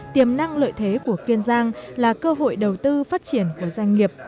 tiềm năng lợi thế của kiên giang là cơ hội đầu tư phát triển của doanh nghiệp